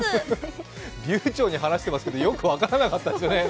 流ちょうに話してますけどよく分からなかったですね。